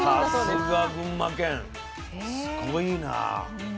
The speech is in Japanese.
すごいな。